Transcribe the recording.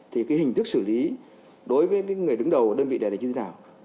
thì cái hình thức xử lý đối với người đứng đầu đơn vị này là như thế nào